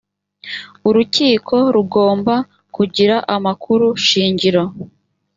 urukiko rugomba kugira amakuru shingiro